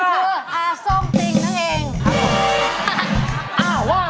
อ่าส้งติ่งนั่นเอง